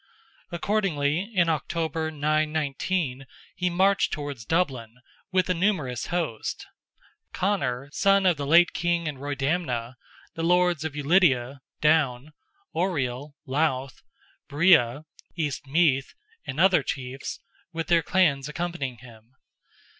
Accordingly, in October, 919, he marched towards Dublin, with a numerous host; Conor, son of the late king and Roydamna; the lords of Ulidia (Down), Oriel (Louth), Breagh (East Meath), and other chiefs, with their clans accompanying him.